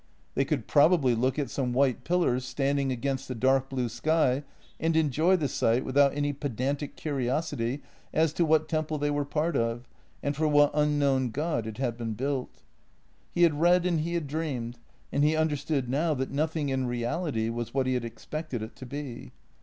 They could probably look at some white pillars standing against the dark blue sky and enjoy the sight without any pedantic curiosity as to what temple they were part of and for what ufiknown god it had been built. He had read and he had dreamed, and he understood now that nothing in reality was what he had expected it to be.